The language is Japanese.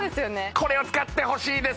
これを使ってほしいです